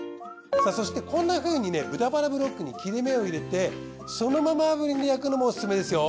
そしてこんなふうに豚バラブロックに切れ目を入れてそのまま炙輪で焼くのもおすすめですよ。